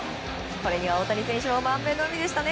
これには大谷選手も満面の笑みでしたね。